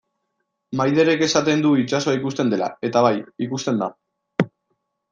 Maiderrek esaten du itsasoa ikusten dela, eta bai, ikusten da.